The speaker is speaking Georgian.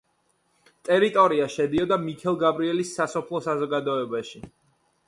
ტერიტორია შედიოდა მიქელგაბრიელის სასოფლო საზოგადოებაში.